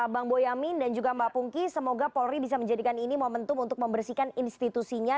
bang boyamin dan juga mbak pungki semoga polri bisa menjadikan ini momentum untuk membersihkan institusinya